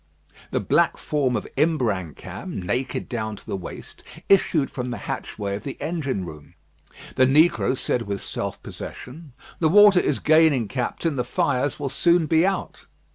The black form of Imbrancam, naked down to the waist, issued from the hatchway of the engine room. The negro said with self possession: "The water is gaining, Captain. The fires will soon be out."